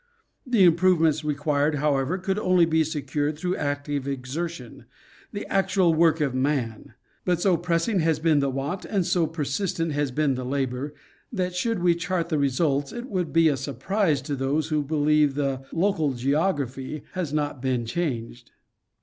The improve ments required, however, could only be secured through active exertion, the actual work of man; but so pressing has been the want and so persistent has been the labor, that should we chart the results it would be a surprise to those who believe the "local geography " has not been changed.